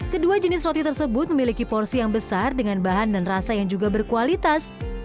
kedua jenis roti tersebut memiliki porsi yang besar dengan bahan dan rasa yang juga berkualitas